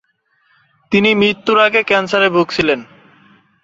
তিনি মৃত্যুর আগে ক্যান্সারে ভুগছিলেন।